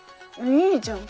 いいじゃん。